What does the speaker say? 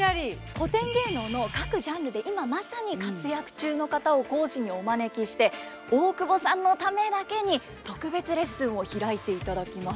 古典芸能の各ジャンルで今まさに活躍中の方を講師にお招きして大久保さんのためだけに特別レッスンを開いていただきます。